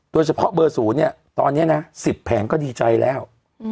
โดยเฉพาะเบอร์๐เนี่ยตอนนี้นะ๑๐แผงก็ดีใจแล้ว